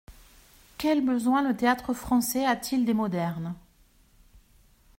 Quel besoin le Théâtre-Français a-t-il des modernes ?